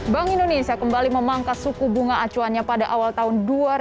bank indonesia kembali memangkas suku bunga acuannya pada awal tahun dua ribu dua puluh